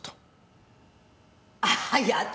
あっやだ